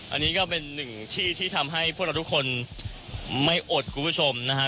อันนี้ก็เป็นหนึ่งที่ที่ทำให้พวกเราทุกคนไม่อดคุณผู้ชมนะฮะ